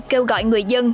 kêu gọi người dân